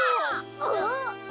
あっ！